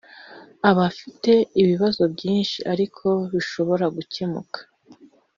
afite ibibazo byinshi ariko bishobora gucyemuka